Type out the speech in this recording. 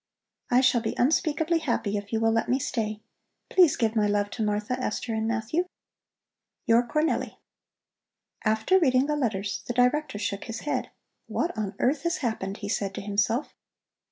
I shall be unspeakably happy if you will let me stay. Please give my love to Martha, Esther, and Matthew. YOUR CORNELLI. After reading the letters, the Director shook his head. "What on earth has happened?" he said to himself.